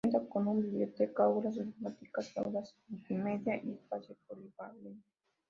Cuenta con una biblioteca, aulas informáticas, aulas multimedia y espacio polivalente.